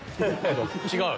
違う？